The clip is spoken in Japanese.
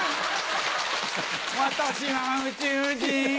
私ハ宇宙人。